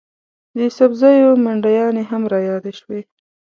د سبزیو منډیانې هم رایادې شوې.